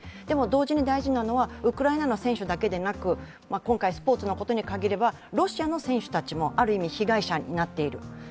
でも、同時に大事なのはウクライナの選手だけでなく今回スポーツのことに限れば、ロシアの選手たちもある意味、被害者になっている。